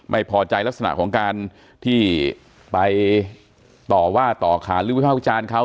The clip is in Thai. ไม่พอใจลักษณะของการที่ไปต่อว่าต่อขานหรือวิภาควิจารณ์เขา